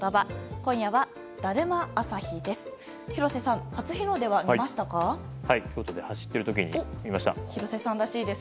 今夜はだるま朝日です。